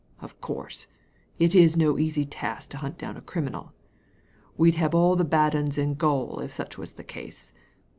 "Of course, it is no easy task to hunt down a criminal. We'd have all the bad 'uns in gaol if such was the case.